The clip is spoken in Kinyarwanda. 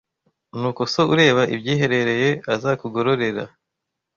Nuko So ureba ibyiherereye azakugororera